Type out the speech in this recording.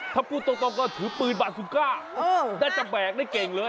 ถ้าพูดตรงก็ถือปืนบาซูก้าน่าจะแบกได้เก่งเลย